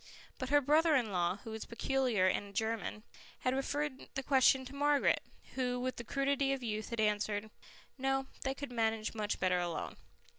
But her brother in law, who was peculiar and a German, had referred the question to Margaret, who with the crudity of youth had answered, "No, they could manage much better alone."